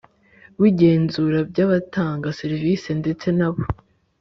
W igenzura by abatanga serivisi ndetse n abo